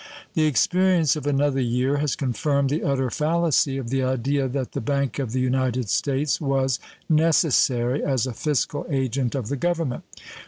The experience of another year has confirmed the utter fallacy of the idea that the Bank of the United States was necessary as a fiscal agent of the Government.